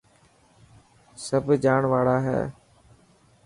سڀ جاڻ واڙا هي.